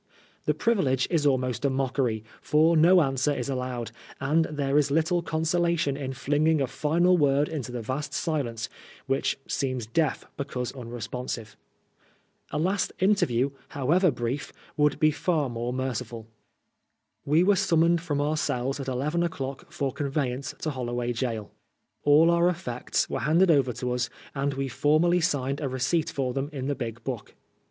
The privilege is almost a mockery, for no answer is allowed, and there is little consolation in flinging a final word into the vast silence, which seems dejrf because unresponsive. A last interview, however brief, would be far more merciful. We were summoned from our cells at eleven o'clock for conveyance to Holloway Gaol. All our effects were handed over to us, and we formally signed a receipt for them in the big book.